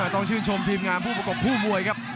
ต้องชื่นชมทีมงานผู้ประกบคู่มวยครับ